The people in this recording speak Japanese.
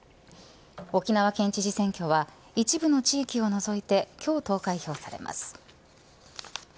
沖縄県知事選挙は一部の地域を除いて今日、投開票されます。